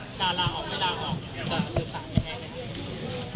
จะลาออกไม่ลาออกจะสื่อสารให้แม่ไหม